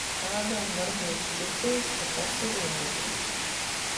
Kādam varbūt šķitīs, ka tas ir lieki.